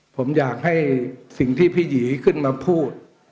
ผมอยากให้สิ่งที่พี่หยีขึ้นมาพูด